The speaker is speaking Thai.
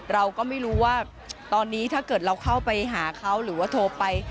เราก็ไม่รู้ว่าตอนนี้ถ้าเกิดเราเข้าไปหาเขาหรือว่าโทรไป